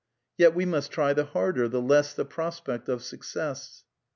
Yet we must try the harder, the less the prospect of success.